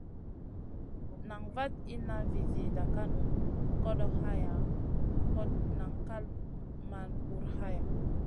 Nan vaɗ inna vi zida vanu, koɗoʼ hayaʼa, hot nan kal man bur haya.